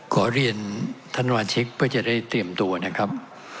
ขอเรียนท่านวาชิกเพื่อจะได้เตรียมตัวนะครับ